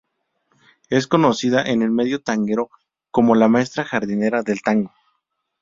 Es conocida en el medio tanguero como "la maestra jardinera del tango".